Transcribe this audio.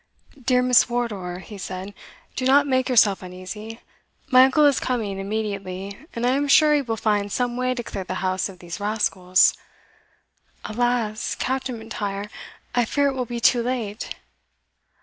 "Dear Miss Wardour," he said, "do not make yourself uneasy; my uncle is coming immediately, and I am sure he will find some way to clear the house of these rascals." "Alas! Captain M'Intyre, I fear it will be too late."